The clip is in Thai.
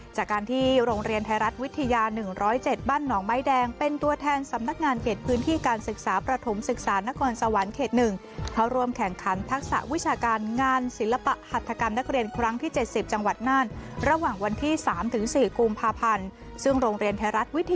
จากการที่โรงเรียนไทยรัฐวิทยาหนึ่งร้อยเจ็ดบั้นหนองไม้แดงเป็นตัวแทนสำนักงานเกษตรพื้นที่การศึกษาประถมศึกษานกรสวรรค์เขตหนึ่งเข้าร่วมแข่งขันทักษะวิชาการงานศิลปะหัศจรรย์กรรมนักเรียนครั้งที่เจ็ดสิบจังหวัดน่านระหว่างวันที่สามถึงสี่กลุ่มพาพรซึ่งโรงเร